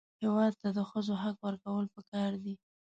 هېواد ته د ښځو حق ورکول پکار دي